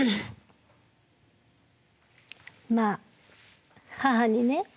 まあ母にね